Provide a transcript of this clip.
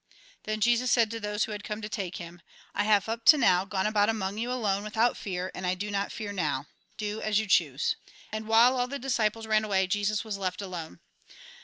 Then Jesus said to those who had come to take him :" I have up to now gone about among you alone, without fear, and I do not fear now. Do as you choose." And while all the disciples ran away, Jesus was left alone.